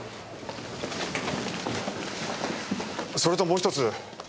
それともう１つ。